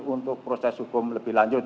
untuk proses hukum lebih lanjut